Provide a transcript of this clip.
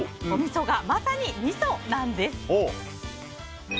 みそがまさにミソなんです。